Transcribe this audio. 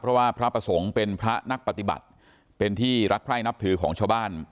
เพราะว่าพระประสงค์เป็นพระนักปฏิบัติเป็นที่รักไพร่นับถือของชาวบ้าน